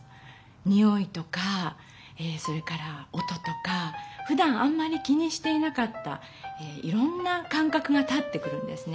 においとかそれから音とかふだんあんまり気にしていなかったいろんな感かくが立ってくるんですね。